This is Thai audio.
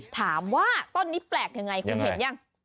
ถามว่าต้นนี้แปลกยังไงคุณเห็นยัง